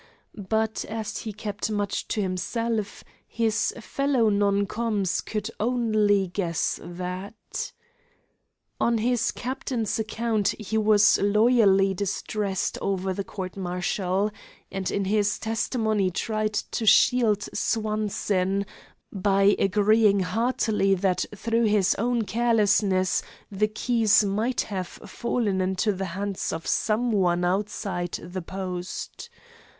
But, as he kept much to himself, his fellow non coms could only guess that. On his captain's account he was loyally distressed over the court martial, and in his testimony tried to shield Swanson, by agreeing heartily that through his own carelessness the keys might have fallen into the hands of some one outside the post.